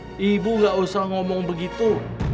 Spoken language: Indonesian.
udah deh ibu gak usah ngomong begitu